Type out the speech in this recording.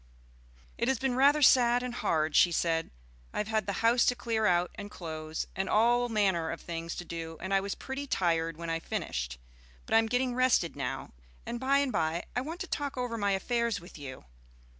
"It has been rather sad and hard," she said. "I have had the house to clear out and close, and all manner of things to do, and I was pretty tired when I finished. But I am getting rested now, and by and by I want to talk over my affairs with you."